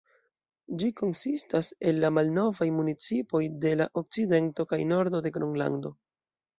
Ĝi konsistas el la malnovaj municipoj de la okcidento kaj nordo de Gronlando.